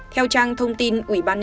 theo trang thông tin